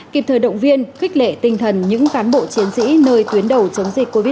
kịp thời động viên khích lệ tinh thần những cán bộ chiến sĩ nơi tuyến đầu chống dịch covid một mươi chín